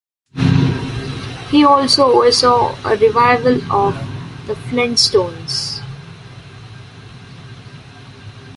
He also oversaw a revival of "The Flintstones".